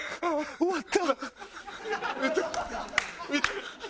終わった！